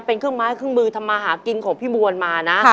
เป็นเครื่องไม้เครื่องมือทำมาหากินของพี่บวนมานะ